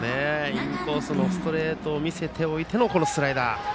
インコースのストレートを見せておいてのスライダー。